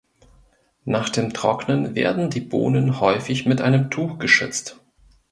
Nach dem Trocknen werden die Bohnen häufig mit einem Tuch geschützt.